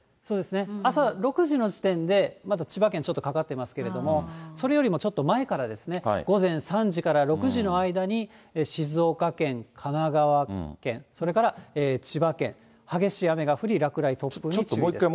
朝６時の時点で千葉県、ちょっとかかってますけど、それよりもちょっと前から、午前３時から６時の間に静岡県、神奈川県、それから千葉県、激しい雨が降り、落雷、突風に注意です。